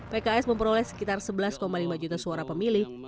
pks memperoleh sekitar sebelas lima juta suara pemilih